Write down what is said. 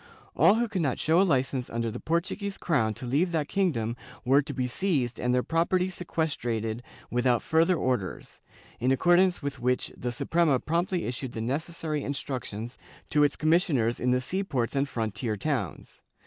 All who could not show a licence under the Portuguese crown to leave that kingdom were to be seized and their property seques trated without further orders, in accordance with which the Su prema promptly issued the necessary instructions to its commis sioners in the sea ports and frontier towns.